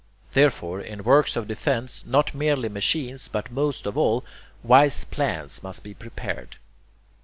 Therefore, in works of defence, not merely machines, but, most of all, wise plans must be prepared.